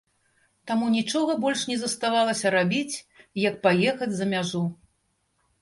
Таму нічога больш не заставалася рабіць, як паехаць за мяжу.